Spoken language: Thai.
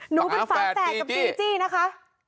หนูเป็นฝาแฝดกับจีจี้นะคะ